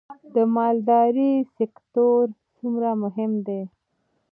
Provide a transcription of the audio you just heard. د مالدارۍ سکتور څومره مهم دی؟